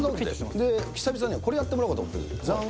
で、久々にこれやってもらおうと思って、ざん。